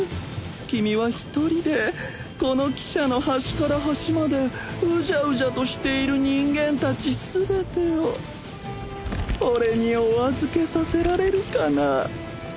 君は１人でこの汽車の端から端までうじゃうじゃとしている人間たち全てを俺にお預けさせられるかな？